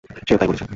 সেও তাই বলেছে।